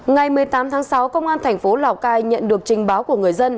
ngày một mươi tám tháng sáu công an tp lào cai nhận được trình báo của người dân